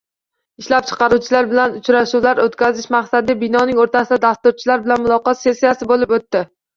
Ishlab chiqaruvchilar bilan uchrashuvlar oʻtkazish maqsadida binoning oʻrtasida dasturchilar bilan muloqot sessiyasi boʻlib oʻtdi.